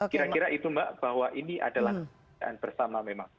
kira kira itu mbak bahwa ini adalah pekerjaan bersama memang